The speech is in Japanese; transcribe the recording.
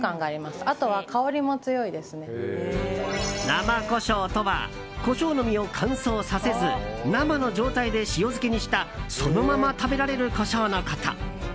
生コショウとはコショウの実を乾燥させず生の状態で塩漬けにしたそのまま食べられるコショウのこと。